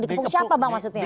dikepung siapa bang maksudnya